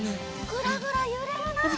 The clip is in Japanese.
ぐらぐらゆれるな！